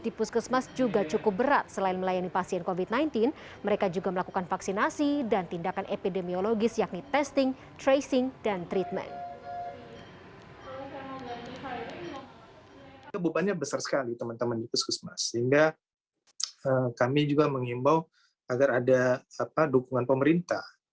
tugas di puskesmas juga cukup berat selain melayani pasien covid sembilan belas mereka juga melakukan vaksinasi dan tindakan epidemiologis yakni testing tracing dan treatment